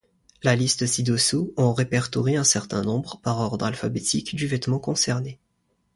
La liste ci-dessous en répertorie un certain nombre, par ordre alphabétique du vêtement concerné.